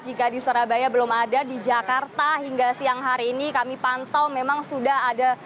jika di surabaya belum ada di jakarta hingga siang hari ini kami pantau memang sudah ada